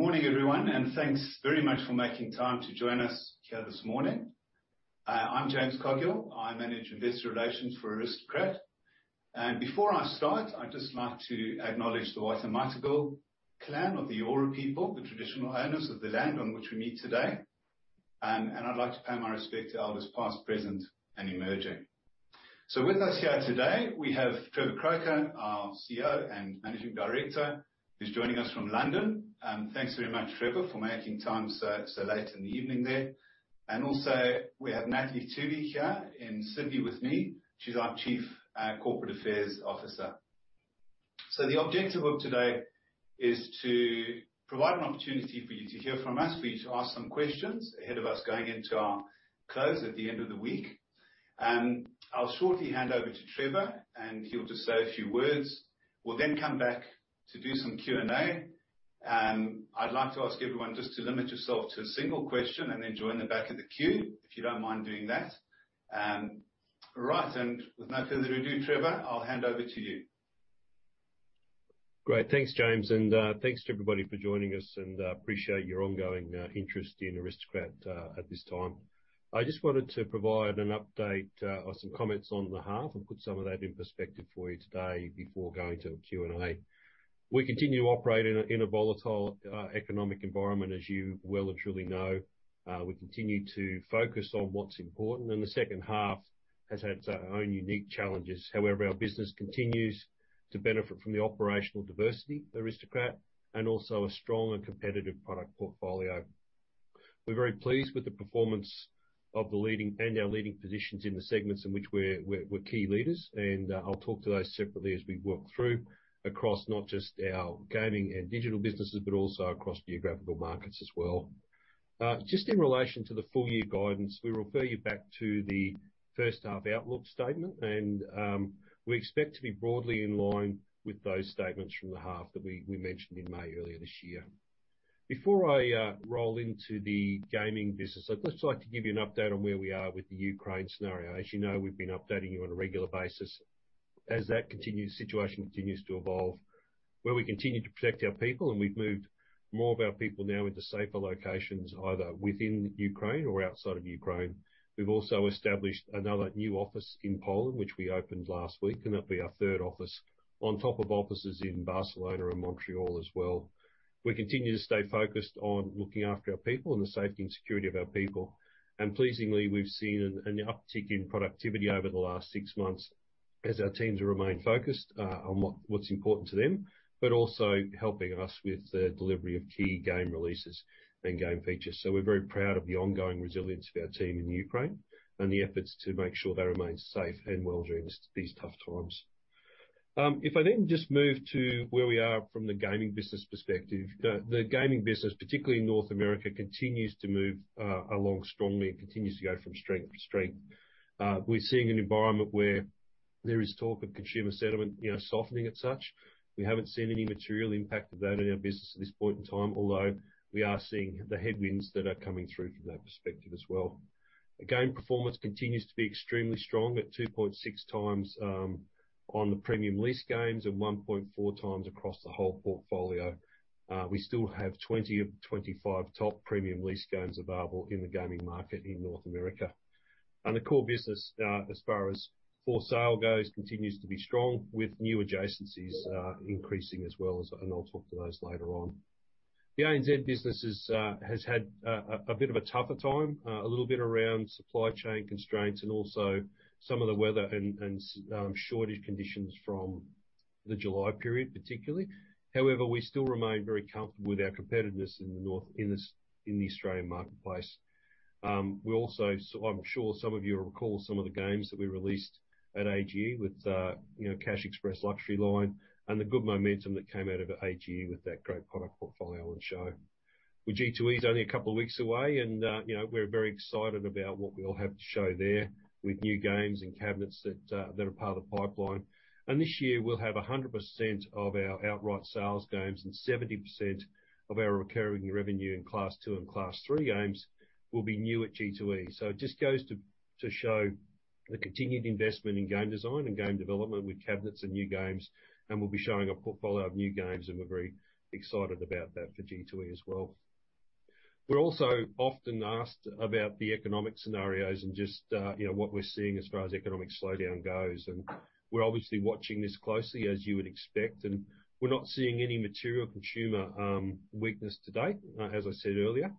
Good morning, everyone, and thanks very much for making time to join us here this morning. I'm James Coghill. I manage investor relations for Aristocrat. Before I start, I'd just like to acknowledge the Wallumedegal Clan of the Eora people, the traditional owners of the land on which we meet today. I'd like to pay my respect to Elders past, present, and emerging. With us here today, we have Trevor Croker, our CEO and Managing Director, who's joining us from London. Thanks very much, Trevor, for making time so late in the evening there. We also have Natalie Toohey here in Sydney with me. She's our Chief Corporate Affairs Officer. The objective of today is to provide an opportunity for you to hear from us, for you to ask some questions ahead of us going into our close at the end of the week. I'll shortly hand over to Trevor, and he'll just say a few words. We'll then come back to do some Q&A. I'd like to ask everyone just to limit yourself to a single question and then join the back of the queue, if you don't mind doing that. Right, and with no further ado, Trevor, I'll hand over to you. Great. Thanks, James, and thanks to everybody for joining us, and I appreciate your ongoing interest in Aristocrat at this time. I just wanted to provide an update or some comments on the half and put some of that in perspective for you today before going to Q&A. We continue to operate in a volatile economic environment, as you well and truly know. We continue to focus on what's important, and the second half has had its own unique challenges. However, our business continues to benefit from the operational diversity of Aristocrat and also a strong and competitive product portfolio. We're very pleased with the performance of the leading and our leading positions in the segments in which we're key leaders, and I'll talk to those separately as we work through across not just our gaming and digital businesses, but also across geographical markets as well. Just in relation to the full-year guidance, we refer you back to the first half outlook statement, and we expect to be broadly in line with those statements from the half that we mentioned in May earlier this year. Before I roll into the gaming business, I'd just like to give you an update on where we are with the Ukraine scenario. As you know, we've been updating you on a regular basis as that situation continues to evolve, where we continue to protect our people, and we've moved more of our people now into safer locations, either within Ukraine or outside of Ukraine. We've also established another new office in Poland, which we opened last week, and that'll be our third office on top of offices in Barcelona and Montreal as well. We continue to stay focused on looking after our people and the safety and security of our people. Pleasingly, we've seen an uptick in productivity over the last six months as our teams have remained focused on what's important to them, but also helping us with the delivery of key game releases and game features. We are very proud of the ongoing resilience of our team in Ukraine and the efforts to make sure they remain safe and well during these tough times. If I then just move to where we are from the gaming business perspective, the gaming business, particularly in North America, continues to move along strongly and continues to go from strength to strength. We're seeing an environment where there is talk of consumer sentiment softening at such. We haven't seen any material impact of that in our business at this point in time, although we are seeing the headwinds that are coming through from that perspective as well. Again, performance continues to be extremely strong at 2.6 times on the premium lease games and 1.4 times across the whole portfolio. We still have 20 of 25 top premium lease games available in the gaming market in North America. The core business, as far as for sale goes, continues to be strong with new adjacencies increasing as well, and I'll talk to those later on. The ANZ business has had a bit of a tougher time, a little bit around supply chain constraints and also some of the weather and shortage conditions from the July period particularly. However, we still remain very comfortable with our competitiveness in the Australian marketplace. We also, I'm sure some of you will recall some of the games that we released at AGE with Cash Express Luxury Line and the good momentum that came out of AGE with that great product portfolio on show. With G2E, it's only a couple of weeks away, and we're very excited about what we'll have to show there with new games and cabinets that are part of the pipeline. This year, we'll have 100% of our outright sales games and 70% of our recurring revenue in Class II and Class III games will be new at G2E. It just goes to show the continued investment in game design and game development with cabinets and new games, and we'll be showing a portfolio of new games, and we're very excited about that for G2E as well. We're also often asked about the economic scenarios and just what we're seeing as far as economic slowdown goes. We're obviously watching this closely, as you would expect, and we're not seeing any material consumer weakness today, as I said earlier,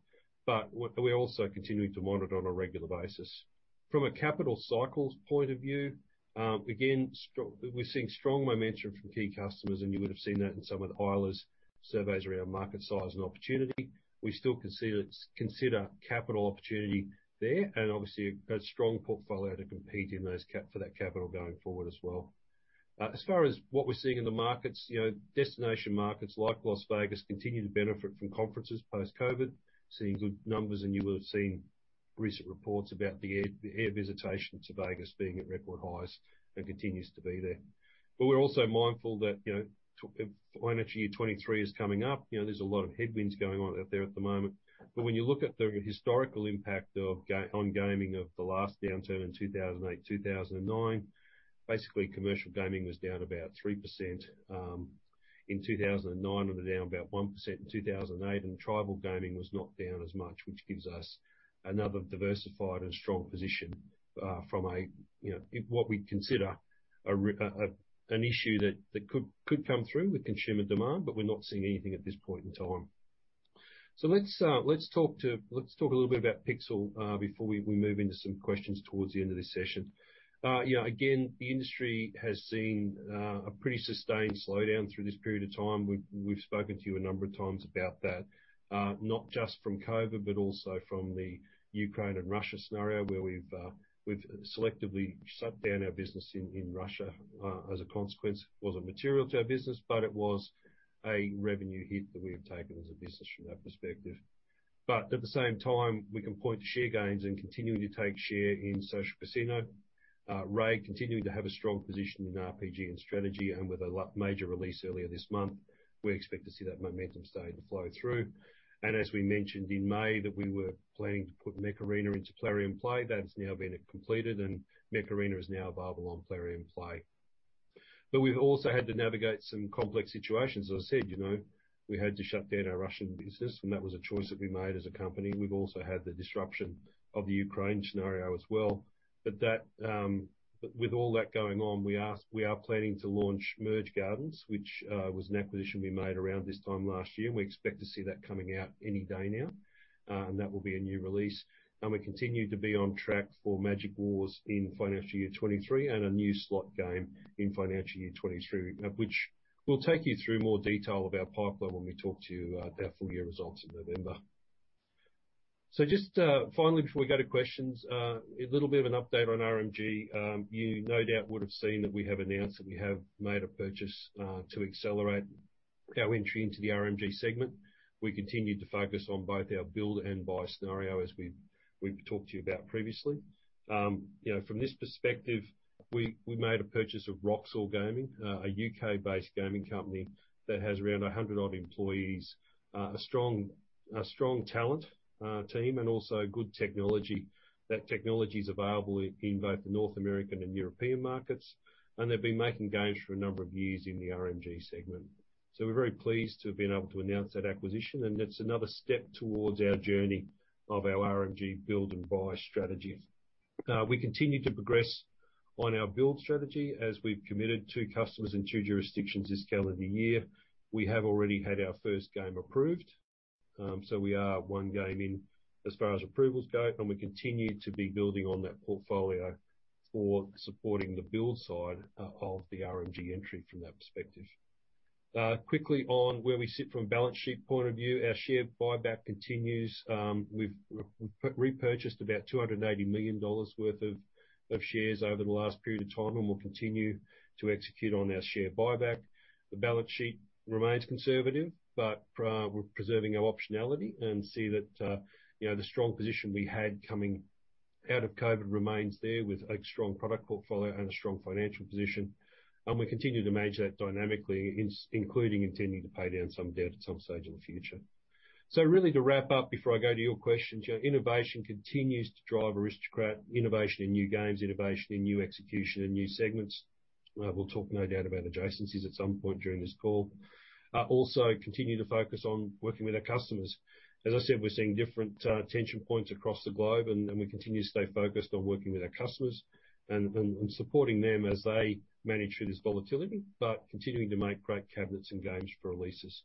but we're also continuing to monitor on a regular basis. From a capital cycles point of view, again, we're seeing strong momentum from key customers, and you would have seen that in some of the Eilers' surveys around market size and opportunity. We still consider capital opportunity there and obviously a strong portfolio to compete for that capital going forward as well. As far as what we're seeing in the markets, destination markets like Las Vegas continue to benefit from conferences post-COVID, seeing good numbers, and you would have seen recent reports about the air visitation to Vegas being at record highs and continues to be there. We are also mindful that financial year 2023 is coming up. There are a lot of headwinds going on out there at the moment. When you look at the historical impact on gaming of the last downturn in 2008, 2009, basically commercial gaming was down about 3%. In 2009, we were down about 1% in 2008, and tribal gaming was not down as much, which gives us another diversified and strong position from what we consider an issue that could come through with consumer demand, but we are not seeing anything at this point in time. Let's talk a little bit about Pixel before we move into some questions towards the end of this session. Again, the industry has seen a pretty sustained slowdown through this period of time. We've spoken to you a number of times about that, not just from COVID, but also from the Ukraine and Russia scenario where we've selectively shut down our business in Russia as a consequence. It wasn't material to our business, but it was a revenue hit that we've taken as a business from that perspective. At the same time, we can point to share gains and continuing to take share in Social Casino. RAID continuing to have a strong position in RPG and strategy, and with a major release earlier this month, we expect to see that momentum stay and flow through. As we mentioned in May that we were planning to put Mech Arena into Plarium Play, that has now been completed, and Mech Arena is now available on Plarium Play. We've also had to navigate some complex situations. As I said, we had to shut down our Russian business, and that was a choice that we made as a company. We have also had the disruption of the Ukraine scenario as well. With all that going on, we are planning to launch Merge Gardens, which was an acquisition we made around this time last year, and we expect to see that coming out any day now, and that will be a new release. We continue to be on track for Magic Wars in financial year 2023 and a new slot game in financial year 2023, which we will take you through in more detail of our pipeline when we talk to you about full-year results in November. Just finally, before we go to questions, a little bit of an update on RMG. You no doubt would have seen that we have announced that we have made a purchase to accelerate our entry into the RMG segment. We continue to focus on both our build and buy scenario, as we've talked to you about previously. From this perspective, we made a purchase of Roxor Gaming, a U.K.-based gaming company that has around 100 odd employees, a strong talent team, and also good technology. That technology is available in both the North American and European markets, and they've been making gains for a number of years in the RMG segment. We are very pleased to have been able to announce that acquisition, and it is another step towards our journey of our RMG build and buy strategy. We continue to progress on our build strategy as we've committed two customers in two jurisdictions this calendar year. We have already had our first game approved, so we are one game in as far as approvals go, and we continue to be building on that portfolio for supporting the build side of the RMG entry from that perspective. Quickly on where we sit from a balance sheet point of view, our share buyback continues. We've repurchased about 280 million dollars worth of shares over the last period of time and will continue to execute on our share buyback. The balance sheet remains conservative, but we're preserving our optionality and see that the strong position we had coming out of COVID remains there with a strong product portfolio and a strong financial position. We continue to manage that dynamically, including intending to pay down some debt at some stage in the future. To wrap up before I go to your questions, innovation continues to drive Aristocrat, innovation in new games, innovation in new execution, and new segments. We'll talk no doubt about adjacencies at some point during this call. Also, continue to focus on working with our customers. As I said, we're seeing different tension points across the globe, and we continue to stay focused on working with our customers and supporting them as they manage through this volatility, but continuing to make great cabinets and games for releases.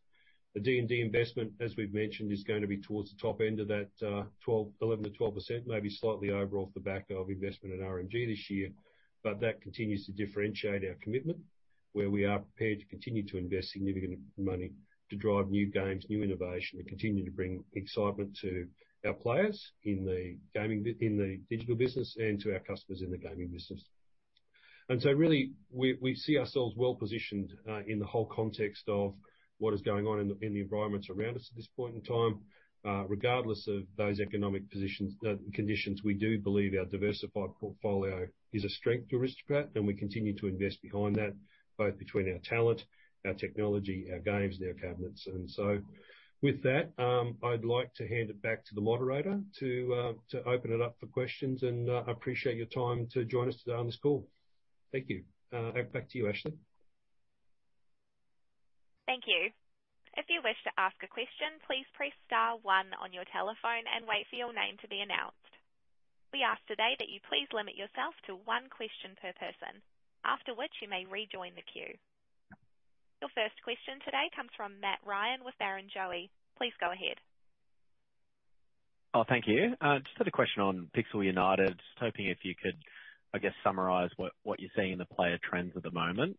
The D&D investment, as we've mentioned, is going to be towards the top end of that 11%-12%, maybe slightly over off the back of investment in RMG this year, but that continues to differentiate our commitment where we are prepared to continue to invest significant money to drive new games, new innovation, and continue to bring excitement to our players in the digital business and to our customers in the gaming business. We see ourselves well positioned in the whole context of what is going on in the environments around us at this point in time. Regardless of those economic conditions, we do believe our diversified portfolio is a strength to Aristocrat, and we continue to invest behind that, both between our talent, our technology, our games, and our cabinets. With that, I'd like to hand it back to the moderator to open it up for questions, and I appreciate your time to join us today on this call. Thank you. Back to you, Ashley. Thank you. If you wish to ask a question, please press star one on your telephone and wait for your name to be announced. We ask today that you please limit yourself to one question per person, after which you may rejoin the queue. Your first question today comes from Matt Ryan with Barrenjoey. Please go ahead. Oh, thank you. Just had a question on Pixel United. Just hoping if you could, I guess, summarise what you're seeing in the player trends at the moment.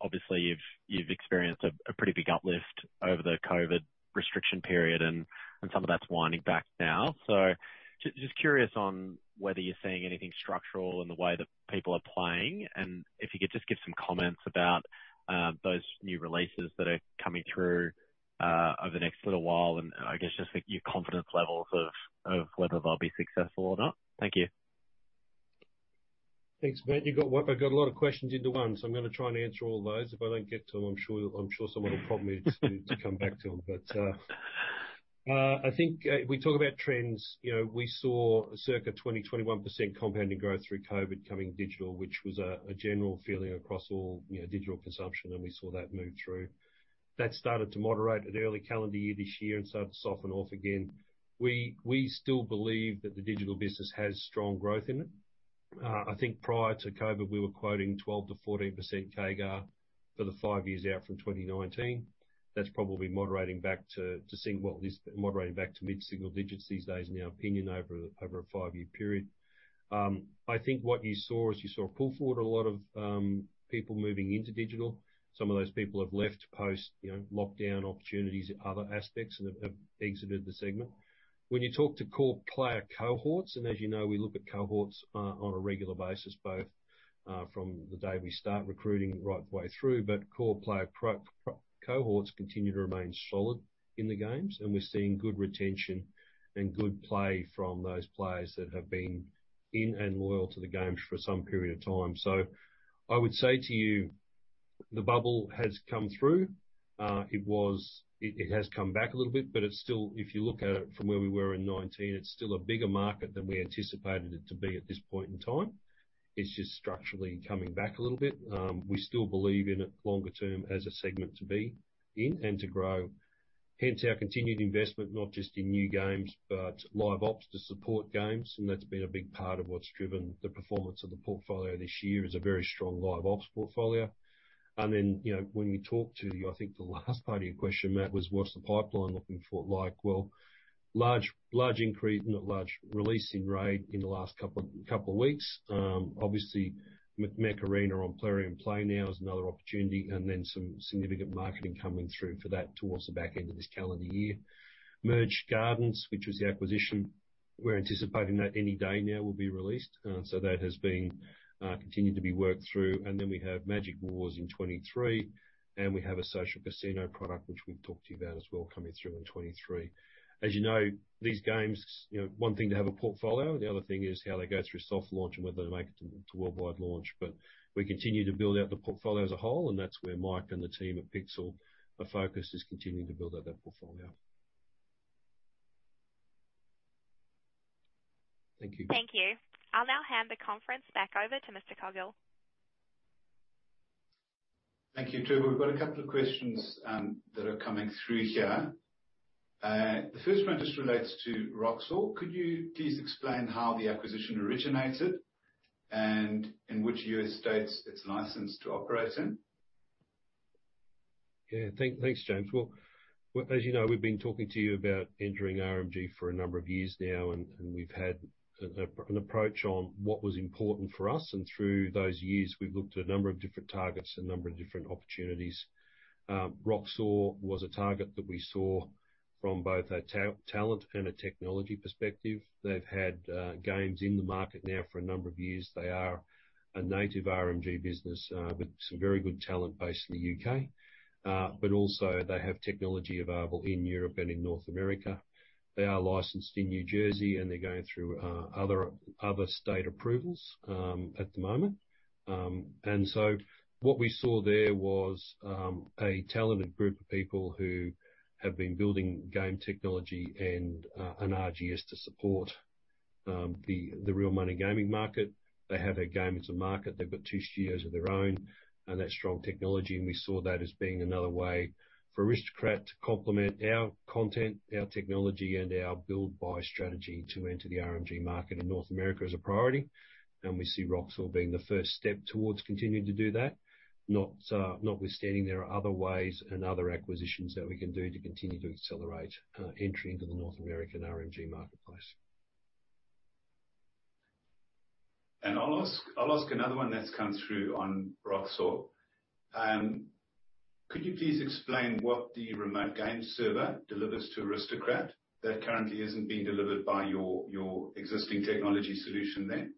Obviously, you've experienced a pretty big uplift over the COVID restriction period, and some of that's winding back now. Just curious on whether you're seeing anything structural in the way that people are playing, and if you could just give some comments about those new releases that are coming through over the next little while and, I guess, just your confidence levels of whether they'll be successful or not. Thank you. Thanks, Matt. I got a lot of questions into one, so I'm going to try and answer all those. If I don't get to them, I'm sure someone will prompt me to come back to them. I think we talk about trends. We saw circa 20-21% compounding growth through COVID coming digital, which was a general feeling across all digital consumption, and we saw that move through. That started to moderate at the early calendar year this year and started to soften off again. We still believe that the digital business has strong growth in it. I think prior to COVID, we were quoting 12-14% CAGR for the five years out from 2019. That's probably moderating back to, well, moderating back to mid-single digits these days in our opinion over a five-year period. I think what you saw is you saw a pull forward, a lot of people moving into digital. Some of those people have left post-lockdown opportunities, other aspects, and have exited the segment. When you talk to core player cohorts, and as you know, we look at cohorts on a regular basis, both from the day we start recruiting right the way through, but core player cohorts continue to remain solid in the games, and we're seeing good retention and good play from those players that have been in and loyal to the games for some period of time. I would say to you, the bubble has come through. It has come back a little bit, but if you look at it from where we were in 2019, it's still a bigger market than we anticipated it to be at this point in time. It's just structurally coming back a little bit. We still believe in it longer term as a segment to be in and to grow. Hence, our continued investment, not just in new games, but live ops to support games, and that's been a big part of what's driven the performance of the portfolio this year is a very strong live ops portfolio. When we talked to you, I think the last part of your question, Matt, was what's the pipeline looking for like? Large release in RAID in the last couple of weeks. Obviously, Mech Arena on Plarium Play now is another opportunity, and some significant marketing coming through for that towards the back end of this calendar year. Merge Gardens, which was the acquisition, we're anticipating that any day now will be released. That has continued to be worked through. We have Magic Wars in 2023, and we have a Social Casino product, which we have talked to you about as well, coming through in 2023. As you know, these games, one thing to have a portfolio, and the other thing is how they go through soft launch and whether they make it to worldwide launch. We continue to build out the portfolio as a whole, and that is where Mike and the team at Pixel are focused, continuing to build out that portfolio. Thank you. Thank you. I'll now hand the conference back over to Mr. Coghill. Thank you, Trevor. We've got a couple of questions that are coming through here. The first one just relates to Roxor. Could you please explain how the acquisition originated and in which US states it's licensed to operate in? Yeah. Thanks, James. As you know, we've been talking to you about entering RMG for a number of years now, and we've had an approach on what was important for us. Through those years, we've looked at a number of different targets, a number of different opportunities. Roxor was a target that we saw from both a talent and a technology perspective. They've had games in the market now for a number of years. They are a native RMG business with some very good talent based in the U.K., but also they have technology available in Europe and in North America. They are licensed in New Jersey, and they're going through other state approvals at the moment. What we saw there was a talented group of people who have been building game technology and an RGS to support the real money gaming market. They have a game as a market. They've got two studios of their own, and that's strong technology. We saw that as being another way for Aristocrat to complement our content, our technology, and our build-buy strategy to enter the RMG market in North America as a priority. We see Roxor being the first step towards continuing to do that. Notwithstanding, there are other ways and other acquisitions that we can do to continue to accelerate entry into the North American RMG marketplace. I'll ask another one that's come through on Roxor. Could you please explain what the remote game server delivers to Aristocrat that currently isn't being delivered by your existing technology solution there?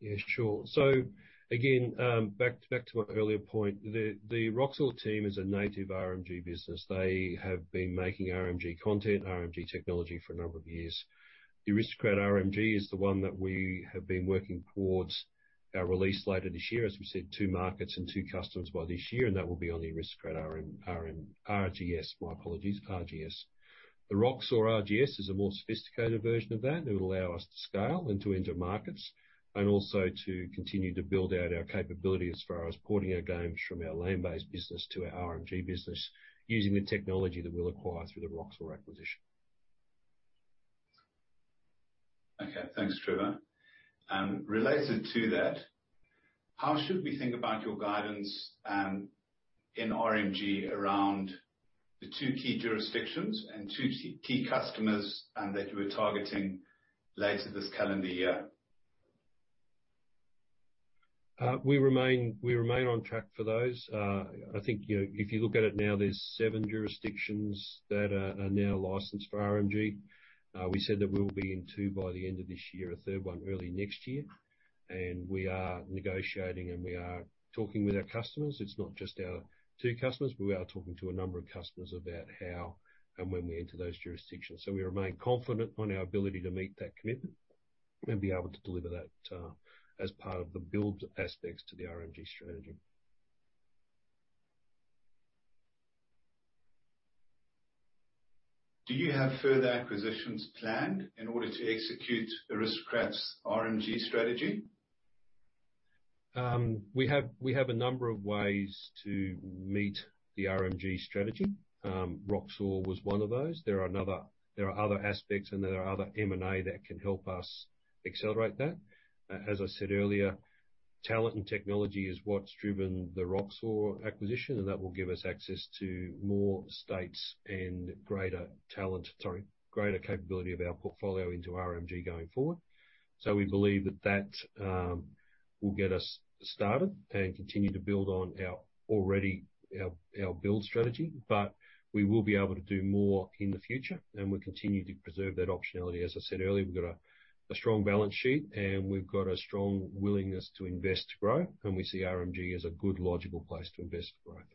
Yeah, sure. Again, back to my earlier point, the Roxor team is a native RMG business. They have been making RMG content, RMG technology for a number of years. The Aristocrat RMG is the one that we have been working towards our release later this year, as we said, two markets and two customers by this year, and that will be on the Aristocrat RGS, my apologies, RGS. The Roxor RGS is a more sophisticated version of that. It will allow us to scale and to enter markets and also to continue to build out our capability as far as porting our games from our LAN-based business to our RMG business using the technology that we'll acquire through the Roxor acquisition. Okay. Thanks, Trevor. Related to that, how should we think about your guidance in RMG around the two key jurisdictions and two key customers that you were targeting later this calendar year? We remain on track for those. I think if you look at it now, there are seven jurisdictions that are now licensed for RMG. We said that we will be in two by the end of this year, a third one early next year. We are negotiating, and we are talking with our customers. It is not just our two customers. We are talking to a number of customers about how and when we enter those jurisdictions. We remain confident on our ability to meet that commitment and be able to deliver that as part of the build aspects to the RMG strategy. Do you have further acquisitions planned in order to execute Aristocrat's RMG strategy? We have a number of ways to meet the RMG strategy. Roxor was one of those. There are other aspects, and there are other M&A that can help us accelerate that. As I said earlier, talent and technology is what's driven the Roxor acquisition, and that will give us access to more states and greater talent, sorry, greater capability of our portfolio into RMG going forward. We believe that that will get us started and continue to build on our build strategy, but we will be able to do more in the future. We continue to preserve that optionality. As I said earlier, we've got a strong balance sheet, and we've got a strong willingness to invest to grow, and we see RMG as a good logical place to invest for growth.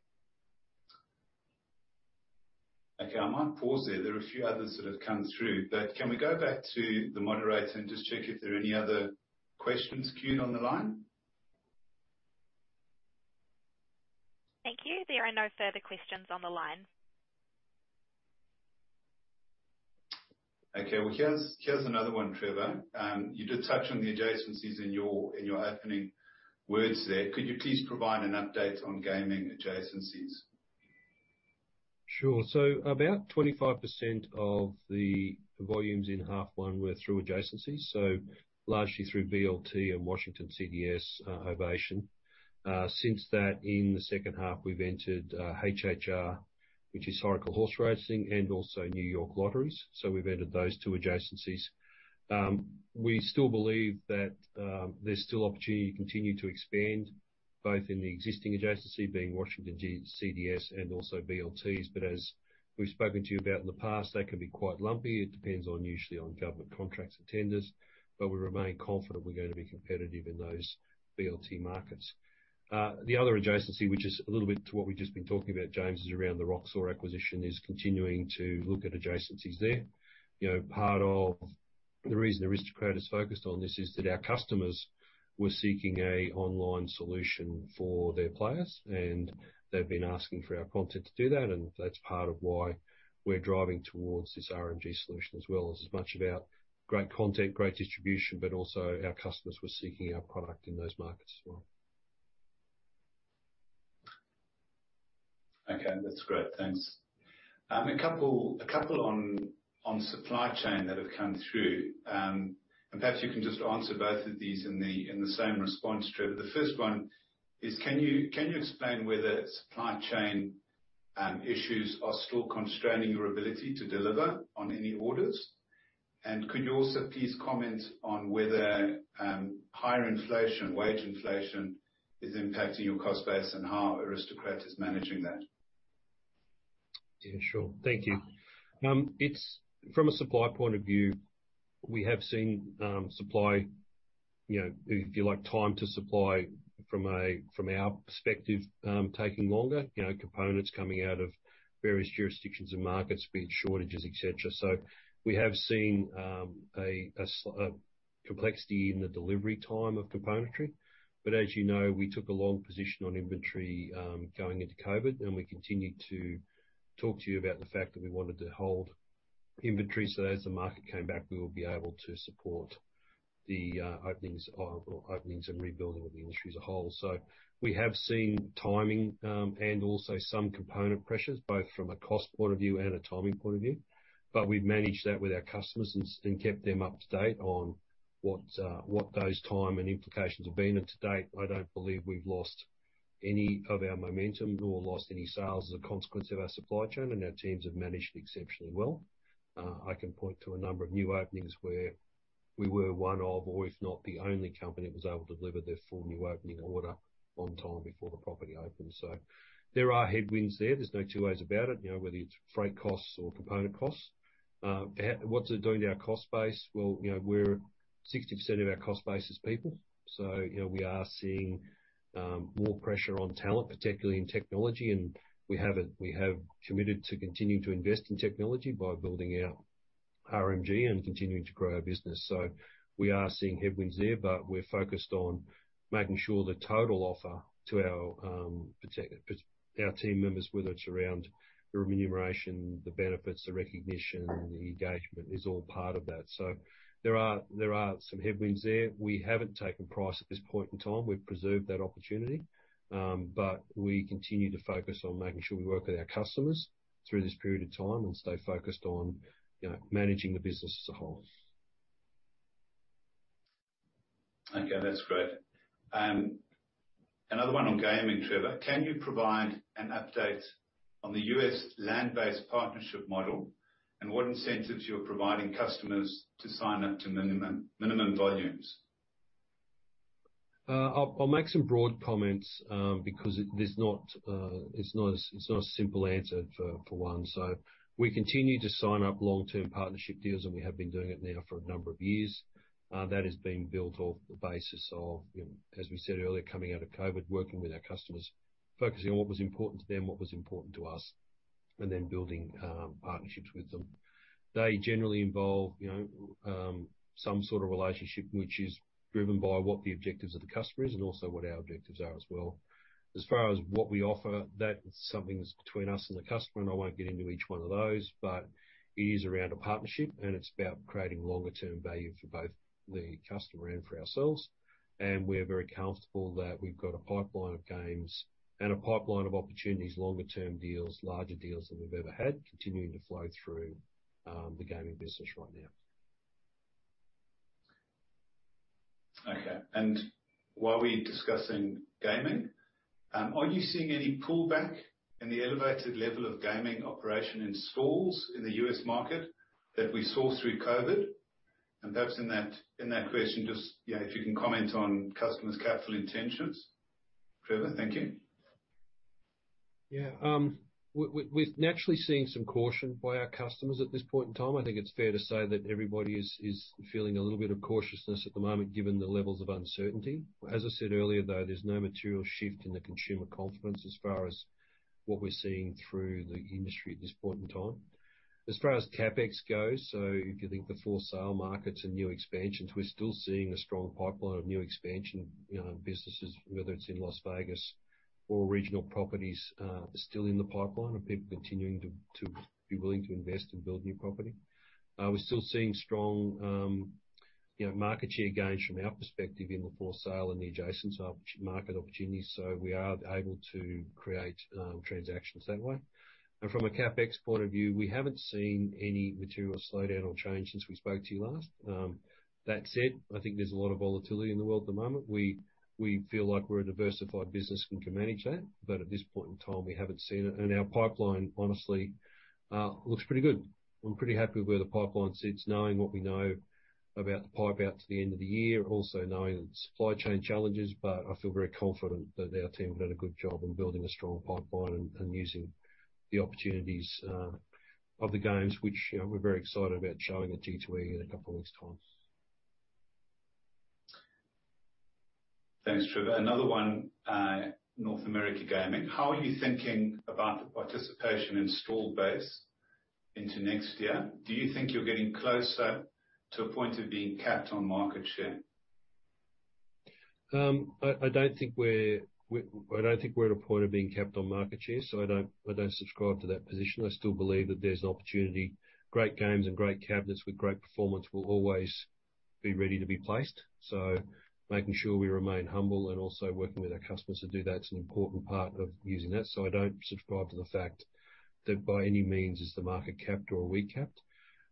Okay. I might pause there. There are a few others that have come through, but can we go back to the moderator and just check if there are any other questions queued on the line? Thank you. There are no further questions on the line. Okay. Here's another one, Trevor. You did touch on the adjacencies in your opening words there. Could you please provide an update on gaming adjacencies? Sure. About 25% of the volumes in half one were through adjacencies, so largely through VLT and Washington CDS Ovation. Since that, in the second half, we have entered HHR, which is Historical Horse Racing, and also New York Lotteries. We have entered those two adjacencies. We still believe that there is still opportunity to continue to expand, both in the existing adjacency being Washington CDS and also VLTs, but as we have spoken to you about in the past, that can be quite lumpy. It depends usually on government contracts and tenders, but we remain confident we are going to be competitive in those VLT markets. The other adjacency, which is a little bit to what we have just been talking about, James, is around the Roxor acquisition, is continuing to look at adjacencies there. Part of the reason Aristocrat has focused on this is that our customers were seeking an online solution for their players, and they've been asking for our content to do that, and that's part of why we're driving towards this RMG solution as well. It's as much about great content, great distribution, but also our customers were seeking our product in those markets as well. Okay. That's great. Thanks. A couple on supply chain that have come through, and perhaps you can just answer both of these in the same response, Trevor. The first one is, can you explain whether supply chain issues are still constraining your ability to deliver on any orders? Could you also please comment on whether higher inflation, wage inflation, is impacting your cost base and how Aristocrat is managing that? Yeah, sure. Thank you. From a supply point of view, we have seen supply, if you like, time to supply from our perspective taking longer, components coming out of various jurisdictions and markets, big shortages, etc. We have seen a complexity in the delivery time of componentry. As you know, we took a long position on inventory going into COVID, and we continued to talk to you about the fact that we wanted to hold inventory so that as the market came back, we would be able to support the openings and rebuilding of the industry as a whole. We have seen timing and also some component pressures, both from a cost point of view and a timing point of view, but we've managed that with our customers and kept them up to date on what those time and implications have been. To date, I don't believe we've lost any of our momentum nor lost any sales as a consequence of our supply chain, and our teams have managed exceptionally well. I can point to a number of new openings where we were one of, or if not the only company that was able to deliver their full new opening order on time before the property opened. There are headwinds there. There's no two ways about it, whether it's freight costs or component costs. What's it doing to our cost base? Sixty percent of our cost base is people. We are seeing more pressure on talent, particularly in technology, and we have committed to continuing to invest in technology by building out RMG and continuing to grow our business. We are seeing headwinds there, but we're focused on making sure the total offer to our team members, whether it's around the remuneration, the benefits, the recognition, the engagement, is all part of that. There are some headwinds there. We haven't taken price at this point in time. We've preserved that opportunity, but we continue to focus on making sure we work with our customers through this period of time and stay focused on managing the business as a whole. Okay. That's great. Another one on gaming, Trevor. Can you provide an update on the US land-based partnership model and what incentives you're providing customers to sign up to minimum volumes? I'll make some broad comments because it's not a simple answer for one. We continue to sign up long-term partnership deals, and we have been doing it now for a number of years. That has been built off the basis of, as we said earlier, coming out of COVID, working with our customers, focusing on what was important to them, what was important to us, and then building partnerships with them. They generally involve some sort of relationship which is driven by what the objectives of the customer is and also what our objectives are as well. As far as what we offer, that's something that's between us and the customer, and I won't get into each one of those, but it is around a partnership, and it's about creating longer-term value for both the customer and for ourselves. We are very comfortable that we have got a pipeline of games and a pipeline of opportunities, longer-term deals, larger deals than we have ever had, continuing to flow through the gaming business right now. Okay. While we're discussing gaming, are you seeing any pullback in the elevated level of gaming operation in stalls in the U.S. market that we saw through COVID? In that question, if you can comment on customers' capital intentions. Trevor, thank you. Yeah. We're naturally seeing some caution by our customers at this point in time. I think it's fair to say that everybody is feeling a little bit of cautiousness at the moment given the levels of uncertainty. As I said earlier, though, there's no material shift in the consumer confidence as far as what we're seeing through the industry at this point in time. As far as CapEx goes, if you think the for sale markets and new expansions, we're still seeing a strong pipeline of new expansion businesses, whether it's in Las Vegas or regional properties still in the pipeline and people continuing to be willing to invest and build new property. We're still seeing strong market share gains from our perspective in the for sale and the adjacent market opportunities, so we are able to create transactions that way. From a CapEx point of view, we haven't seen any material slowdown or change since we spoke to you last. That said, I think there's a lot of volatility in the world at the moment. We feel like we're a diversified business and can manage that, but at this point in time, we haven't seen it. Our pipeline, honestly, looks pretty good. I'm pretty happy with where the pipeline sits, knowing what we know about the pipe out to the end of the year, also knowing the supply chain challenges, but I feel very confident that our team has done a good job in building a strong pipeline and using the opportunities of the games, which we're very excited about showing at G2E in a couple of weeks' time. Thanks, Trevor. Another one, North America gaming. How are you thinking about the participation in stall base into next year? Do you think you're getting closer to a point of being capped on market share? I don't think we're at a point of being capped on market share, so I don't subscribe to that position. I still believe that there's an opportunity. Great games and great cabinets with great performance will always be ready to be placed. Making sure we remain humble and also working with our customers to do that is an important part of using that. I don't subscribe to the fact that by any means is the market capped or we capped.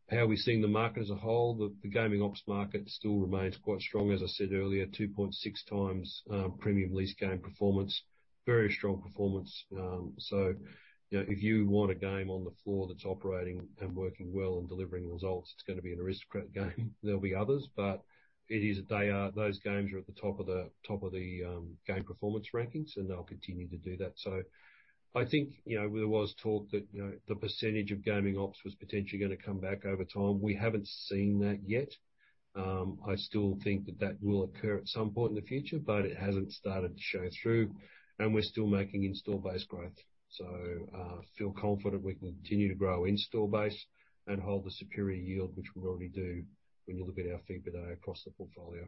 How are we seeing the market as a whole? The gaming ops market still remains quite strong, as I said earlier, 2.6 times premium lease game performance, very strong performance. If you want a game on the floor that's operating and working well and delivering results, it's going to be an Aristocrat game. There'll be others, but it is that those games are at the top of the game performance rankings, and they'll continue to do that. I think there was talk that the percentage of gaming ops was potentially going to come back over time. We haven't seen that yet. I still think that that will occur at some point in the future, but it hasn't started to show through, and we're still making in-store base growth. I feel confident we can continue to grow in-store base and hold the superior yield, which we already do when you look at our fee per day across the portfolio.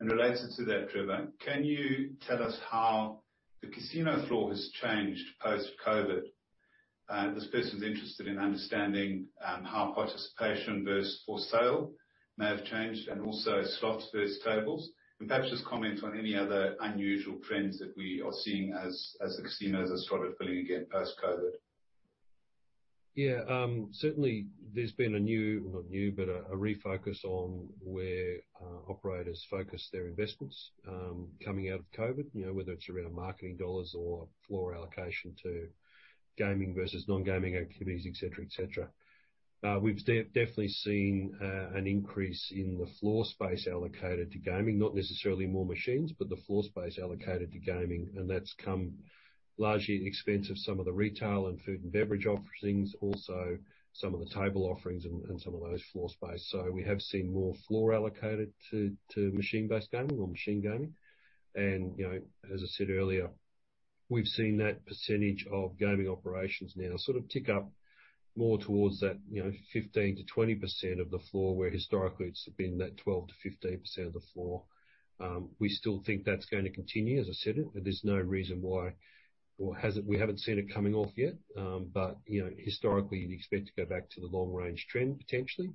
In relation to that, Trevor, can you tell us how the casino floor has changed post-COVID? This person's interested in understanding how participation versus for sale may have changed and also slots versus tables, and perhaps just comment on any other unusual trends that we are seeing as the casinos are sort of filling again post-COVID. Yeah. Certainly, there's been a new, not new, but a refocus on where operators focus their investments coming out of COVID, whether it's around marketing dollars or floor allocation to gaming versus non-gaming activities, etc., etc. We've definitely seen an increase in the floor space allocated to gaming, not necessarily more machines, but the floor space allocated to gaming, and that's come largely at the expense of some of the retail and food and beverage offerings, also some of the table offerings and some of those floor space. We have seen more floor allocated to machine-based gaming or machine gaming. As I said earlier, we've seen that percentage of gaming operations now sort of tick up more towards that 15%-20% of the floor where historically it's been that 12%-15% of the floor. We still think that's going to continue, as I said. There's no reason why we haven't seen it coming off yet, but historically, you'd expect to go back to the long-range trend potentially.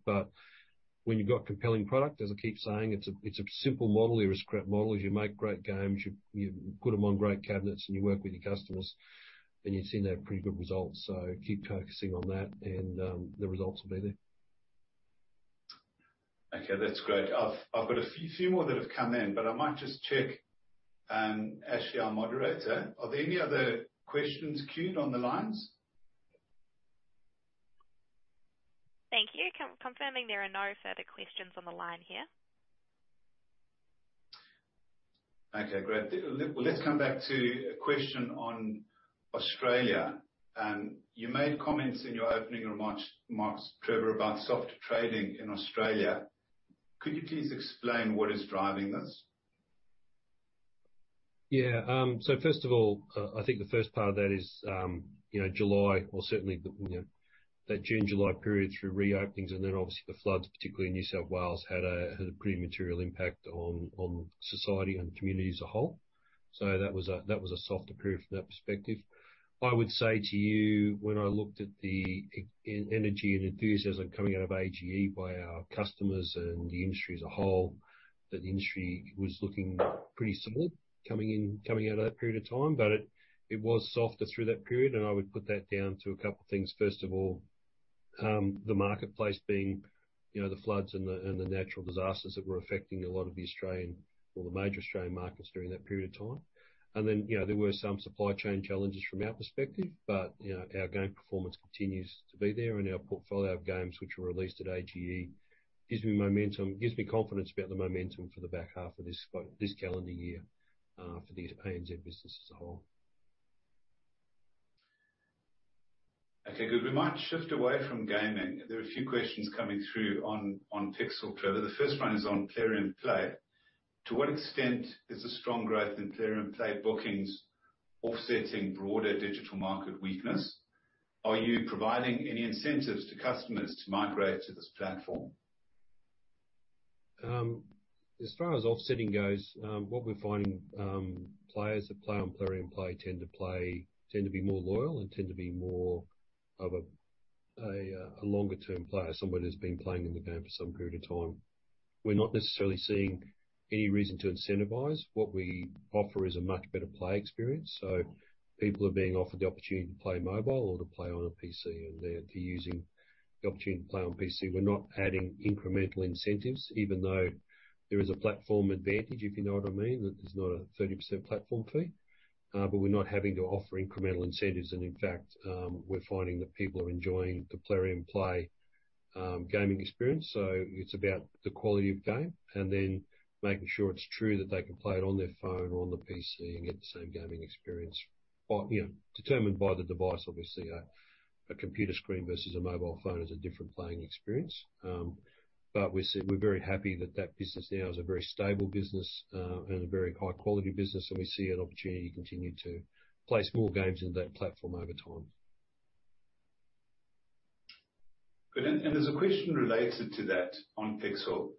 When you've got compelling product, as I keep saying, it's a simple model, Aristocrat model. You make great games, you put them on great cabinets, and you work with your customers, and you've seen they have pretty good results. Keep focusing on that, and the results will be there. Okay. That's great. I've got a few more that have come in, but I might just check Ashley, our moderator. Are there any other questions queued on the lines? Thank you. Confirming there are no further questions on the line here. Okay. Great. Let's come back to a question on Australia. You made comments in your opening remarks, Trevor, about soft trading in Australia. Could you please explain what is driving this? Yeah. First of all, I think the first part of that is July, or certainly that June-July period through reopenings, and then obviously the floods, particularly in New South Wales, had a pretty material impact on society and community as a whole. That was a softer period from that perspective. I would say to you, when I looked at the energy and enthusiasm coming out of AGE by our customers and the industry as a whole, that the industry was looking pretty solid coming out of that period of time, but it was softer through that period, and I would put that down to a couple of things. First of all, the marketplace being the floods and the natural disasters that were affecting a lot of the Australian or the major Australian markets during that period of time. There were some supply chain challenges from our perspective, but our game performance continues to be there, and our portfolio of games, which were released at AGE, gives me momentum, gives me confidence about the momentum for the back half of this calendar year for the ANZ business as a whole. Okay. Good. We might shift away from gaming. There are a few questions coming through on Pixel, Trevor. The first one is on Plarium Play. To what extent is the strong growth in Plarium Play bookings offsetting broader digital market weakness? Are you providing any incentives to customers to migrate to this platform? As far as offsetting goes, what we're finding, players that play on Plarium Play tend to be more loyal and tend to be more of a longer-term player, someone who's been playing in the game for some period of time. We're not necessarily seeing any reason to incentivize. What we offer is a much better play experience. People are being offered the opportunity to play mobile or to play on a PC, and they're using the opportunity to play on PC. We're not adding incremental incentives, even though there is a platform advantage, if you know what I mean, that there's not a 30% platform fee, but we're not having to offer incremental incentives. In fact, we're finding that people are enjoying the Plarium Play gaming experience. It is about the quality of game and then making sure it is true that they can play it on their phone or on the PC and get the same gaming experience. Determined by the device, obviously, a computer screen versus a mobile phone is a different playing experience. We are very happy that that business now is a very stable business and a very high-quality business, and we see an opportunity to continue to place more games into that platform over time. Good. There is a question related to that on Pixel.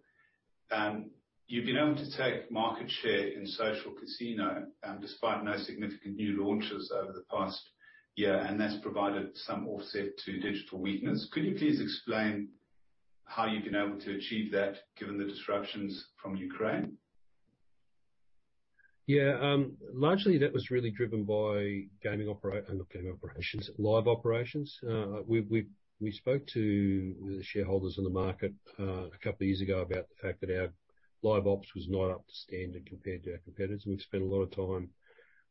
You have been able to take market share in social casino despite no significant new launches over the past year, and that has provided some offset to digital weakness. Could you please explain how you have been able to achieve that given the disruptions from Ukraine? Yeah. Largely, that was really driven by gaming operations and not gaming operations, live operations. We spoke to the shareholders in the market a couple of years ago about the fact that our live ops was not up to standard compared to our competitors. And we've spent a lot of time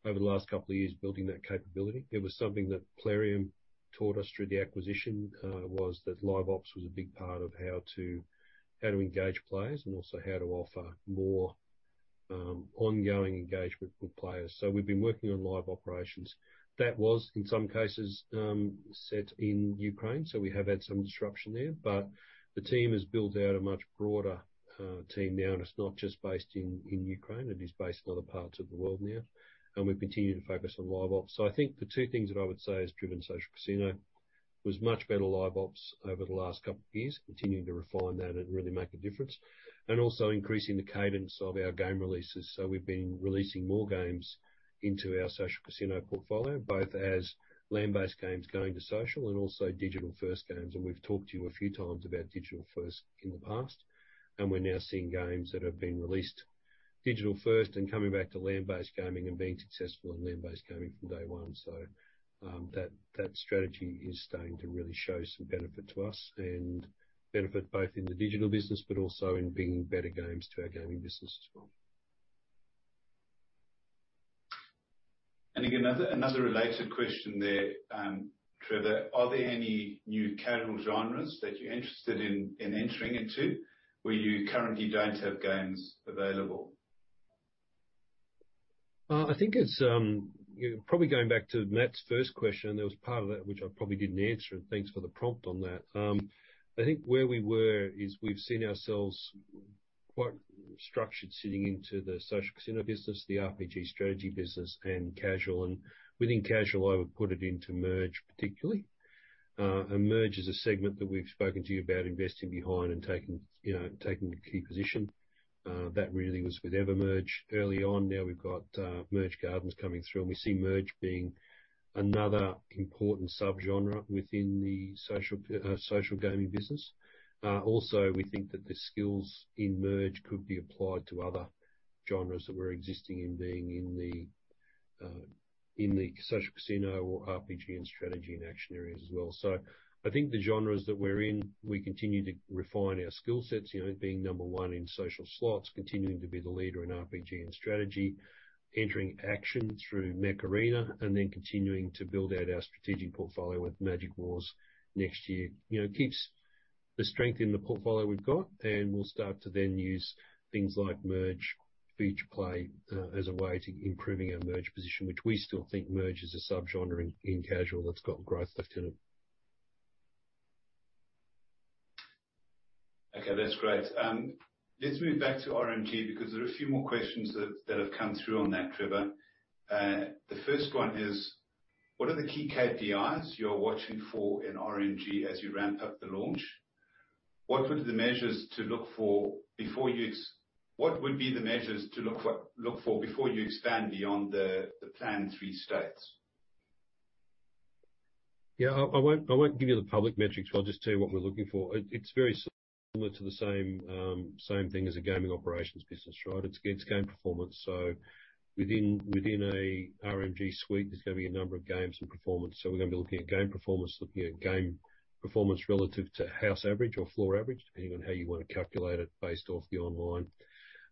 over the last couple of years building that capability. It was something that Player in taught us through the acquisition was that live ops was a big part of how to engage players and also how to offer more ongoing engagement with players. We've been working on live operations. That was, in some cases, set in Ukraine, so we have had some disruption there, but the team has built out a much broader team now, and it's not just based in Ukraine. It is based in other parts of the world now, and we've continued to focus on live ops. I think the two things that I would say have driven social casino was much better live ops over the last couple of years, continuing to refine that and really make a difference, and also increasing the cadence of our game releases. We've been releasing more games into our social casino portfolio, both as land-based games going to social and also digital-first games. We've talked to you a few times about digital-first in the past, and we're now seeing games that have been released digital-first and coming back to land-based gaming and being successful in land-based gaming from day one. That strategy is starting to really show some benefit to us and benefit both in the digital business, but also in bringing better games to our gaming business as well. Again, another related question there, Trevor. Are there any new casual genres that you're interested in entering into where you currently don't have games available? I think it's probably going back to Matt's first question. There was part of that which I probably didn't answer, and thanks for the prompt on that. I think where we were is we've seen ourselves quite structured sitting into the social casino business, the RPG strategy business, and casual. Within casual, I would put it into merge particularly. Merge is a segment that we've spoken to you about investing behind and taking a key position. That really was with EverMerge early on. Now we've got Merge Gardens coming through, and we see merge being another important subgenre within the social gaming business. Also, we think that the skills in merge could be applied to other genres that were existing in being in the social casino or RPG and strategy and action areas as well. I think the genres that we're in, we continue to refine our skill sets, being number one in social slots, continuing to be the leader in RPG and strategy, entering action through Mech Arena, and then continuing to build out our strategic portfolio with Magic Wars next year. It keeps the strength in the portfolio we've got, and we'll start to then use things like merge, feature play as a way to improve our merge position, which we still think merge is a subgenre in casual that's got growth left in it. Okay. That's great. Let's move back to RMG because there are a few more questions that have come through on that, Trevor. The first one is, what are the key KPIs you're watching for in RMG as you ramp up the launch? What would be the measures to look for before you expand beyond the planned three states? Yeah. I won't give you the public metrics. I'll just tell you what we're looking for. It's very similar to the same thing as a gaming operations business, right? It's game performance. Within an RMG suite, there's going to be a number of games and performance. We're going to be looking at game performance, looking at game performance relative to house average or floor average, depending on how you want to calculate it based off the online.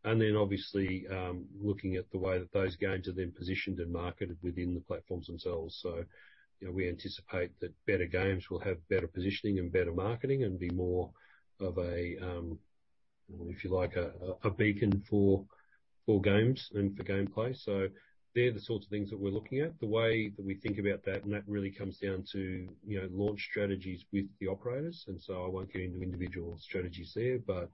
Obviously, looking at the way that those games are then positioned and marketed within the platforms themselves. We anticipate that better games will have better positioning and better marketing and be more of a, if you like, a beacon for games and for gameplay. They're the sorts of things that we're looking at. The way that we think about that, and that really comes down to launch strategies with the operators. I will not get into individual strategies there, but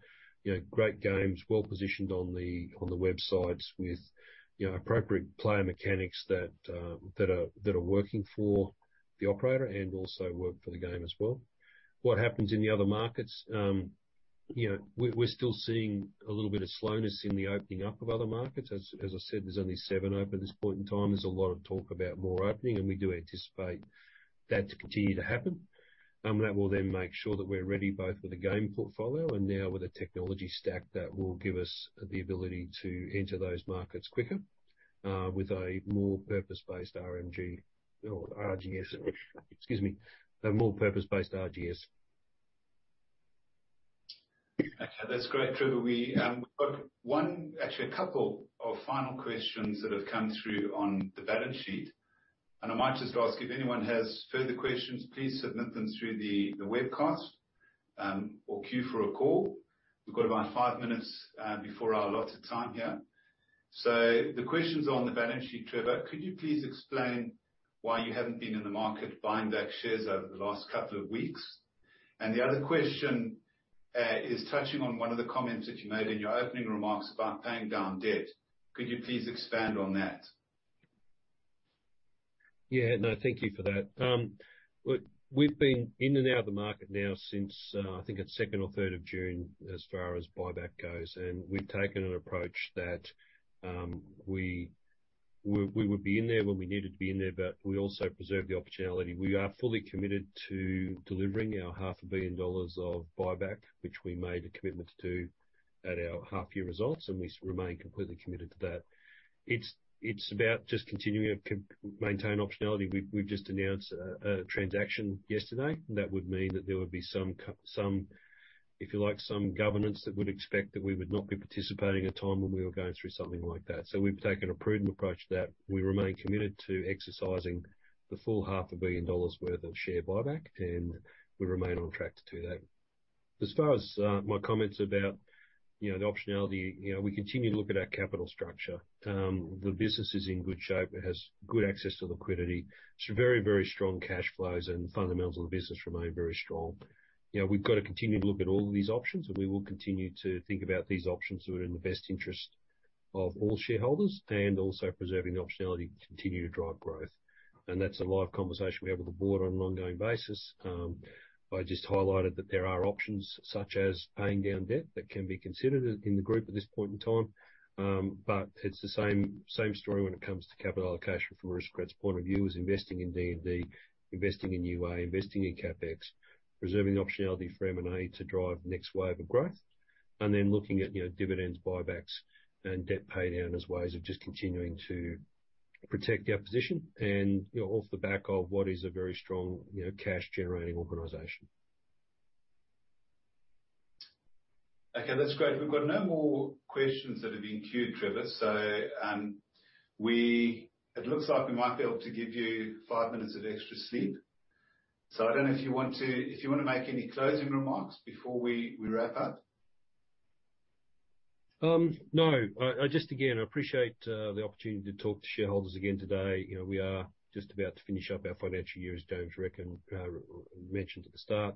great games well positioned on the websites with appropriate player mechanics that are working for the operator and also work for the game as well. What happens in the other markets? We are still seeing a little bit of slowness in the opening up of other markets. As I said, there are only seven open at this point in time. There is a lot of talk about more opening, and we do anticipate that to continue to happen. That will then make sure that we are ready both with a game portfolio and now with a technology stack that will give us the ability to enter those markets quicker with a more purpose-based RGS, excuse me, a more purpose-based RGS. Okay. That's great, Trevor. We've got one, actually a couple of final questions that have come through on the balance sheet. I might just ask if anyone has further questions, please submit them through the webcast or queue for a call. We've got about five minutes before our allotted time here. The questions are on the balance sheet, Trevor. Could you please explain why you haven't been in the market buying back shares over the last couple of weeks? The other question is touching on one of the comments that you made in your opening remarks about paying down debt. Could you please expand on that? Yeah. No, thank you for that. We've been in and out of the market now since, I think, it's second or third of June as far as buyback goes. We've taken an approach that we would be in there when we needed to be in there, but we also preserve the opportunity. We are fully committed to delivering our $500,000,000 of buyback, which we made a commitment to do at our half-year results, and we remain completely committed to that. It's about just continuing to maintain optionality. We've just announced a transaction yesterday. That would mean that there would be some, if you like, some governance that would expect that we would not be participating at a time when we were going through something like that. We've taken a prudent approach to that. We remain committed to exercising the full 500,000,000 dollars worth of share buyback, and we remain on track to do that. As far as my comments about the optionality, we continue to look at our capital structure. The business is in good shape. It has good access to liquidity. It has very, very strong cash flows, and fundamentals of the business remain very strong. We have to continue to look at all of these options, and we will continue to think about these options that are in the best interest of all shareholders and also preserving the optionality to continue to drive growth. That is a live conversation we have with the board on an ongoing basis. I just highlighted that there are options such as paying down debt that can be considered in the group at this point in time. It is the same story when it comes to capital allocation from Aristocrat point of view, as investing in D&D, investing in UA, investing in CapEx, preserving the optionality for M&A to drive the next wave of growth, and then looking at dividends, buybacks, and debt paydown as ways of just continuing to protect our position and off the back of what is a very strong cash-generating organisation. Okay. That's great. We've got no more questions that have been queued, Trevor. It looks like we might be able to give you five minutes of extra sleep. I don't know if you want to make any closing remarks before we wrap up? No. Just again, I appreciate the opportunity to talk to shareholders again today. We are just about to finish up our financial year, as James Coghill mentioned at the start.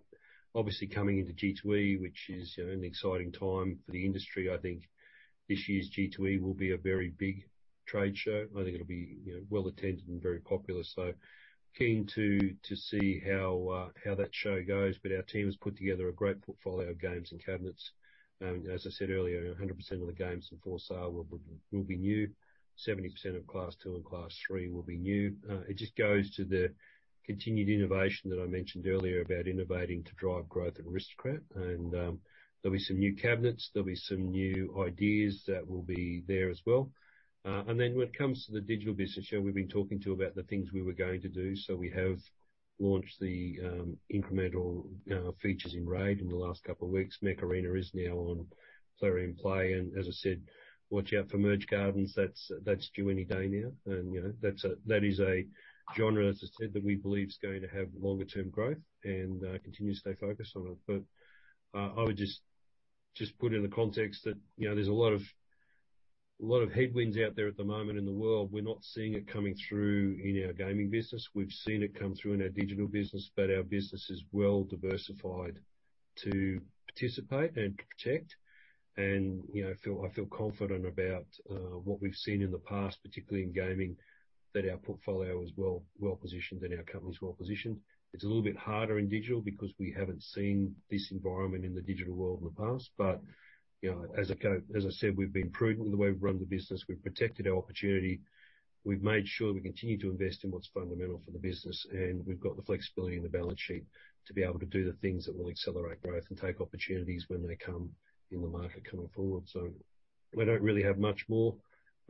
Obviously, coming into G2E, which is an exciting time for the industry, I think this year's G2E will be a very big trade show. I think it'll be well attended and very popular. Keen to see how that show goes. Our team has put together a great portfolio of games and cabinets. As I said earlier, 100% of the games in For Sale will be new. 70% of Class II and Class III will be new. It just goes to the continued innovation that I mentioned earlier about innovating to drive growth and Aristocrat. There will be some new cabinets. There will be some new ideas that will be there as well. When it comes to the digital business show, we've been talking to you about the things we were going to do. We have launched the incremental features in RAID in the last couple of weeks. Mech Arena is now on Plarium Play. As I said, watch out for Merge Gardens. That's due any day now. That is a genre, as I said, that we believe is going to have longer-term growth and continue to stay focused on it. I would just put in the context that there's a lot of headwinds out there at the moment in the world. We're not seeing it coming through in our gaming business. We've seen it come through in our digital business, but our business is well diversified to participate and to protect. I feel confident about what we've seen in the past, particularly in gaming, that our portfolio is well positioned and our company is well positioned. It's a little bit harder in digital because we haven't seen this environment in the digital world in the past. As I said, we've been prudent in the way we've run the business. We've protected our opportunity. We've made sure that we continue to invest in what's fundamental for the business. We've got the flexibility in the balance sheet to be able to do the things that will accelerate growth and take opportunities when they come in the market coming forward. I don't really have much more.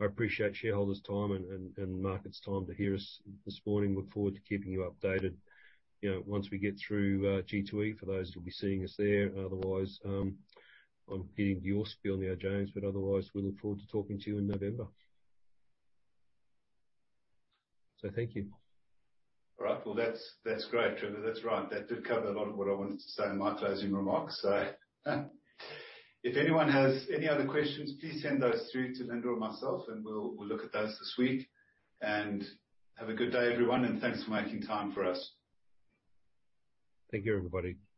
I appreciate shareholders' time and market's time to hear us this morning. I look forward to keeping you updated once we get through G2E for those who'll be seeing us there. Otherwise, I'm getting your spiel now, James, but otherwise, we look forward to talking to you in November. Thank you. All right. That's great, Trevor. That did cover a lot of what I wanted to say in my closing remarks. If anyone has any other questions, please send those through to Linda or myself, and we'll look at those this week. Have a good day, everyone, and thanks for making time for us. Thank you, everybody. Thanks.